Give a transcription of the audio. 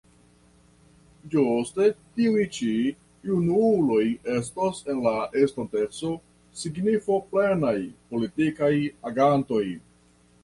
Ĝuste tiuj ĉi junuloj estos en la estonteco signifoplenaj politikaj agantoj.